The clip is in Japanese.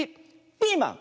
ピーマン。